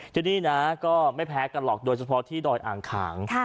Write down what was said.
ที่นี่นะก็ไม่แพ้กันหรอกโดยเฉพาะที่ดอยอ่างขาง